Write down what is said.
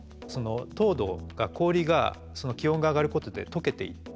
凍土が氷が気温が上がることで解けていって。